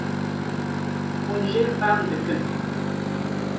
hûn jê fehm dikin